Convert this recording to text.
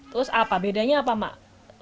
terus bedanya apa mak